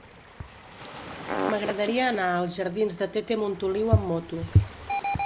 M'agradaria anar als jardins de Tete Montoliu amb moto.